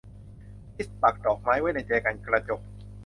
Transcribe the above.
ลิซปักดอกไม้ไว้ในแจกันกระจก